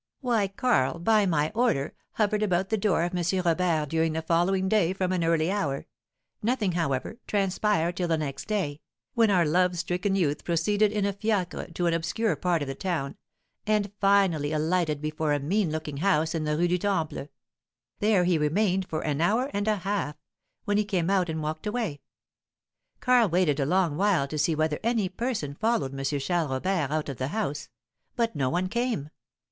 "Why, Karl, by my order, hovered about the door of M. Robert during the following day from an early hour; nothing, however, transpired till the next day, when our love stricken youth proceeded in a fiacre to an obscure part of the town, and finally alighted before a mean looking house in the Rue du Temple; there he remained for an hour and a half, when he came out and walked away. Karl waited a long while to see whether any person followed M. Charles Robert out of the house; but no one came.